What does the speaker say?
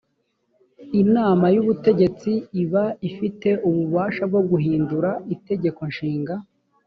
inama y ubutegetsi iba ifite ububasha bwo guhindura itegeko nshinga